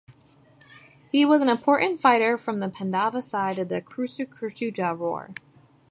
He was an important fighter from the Pandava side in the Kurukshetra war.